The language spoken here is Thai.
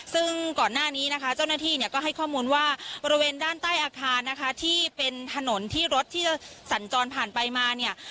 ซึ่งก่อนหน้านี้นะคะเจ้าหน้าที่เนี่ยก็ให้ข้อมูลว่าบริเวณด้านใต้อาคารนะคะที่เป็นถนนที่รถที่จะสัญจรผ่านไปมาเนี่ย